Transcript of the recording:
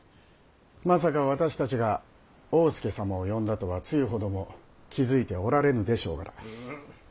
まさか私たちが大典侍様を呼んだとは露ほども気付いておられぬでしょうから。